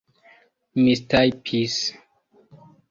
mistajpis